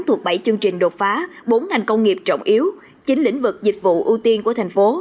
thuộc bảy chương trình đột phá bốn thành công nghiệp trọng yếu chín lĩnh vực dịch vụ ưu tiên của tp hcm